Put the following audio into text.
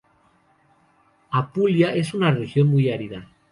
Apulia es una región muy árida.